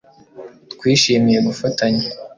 Twishimiye gufatanya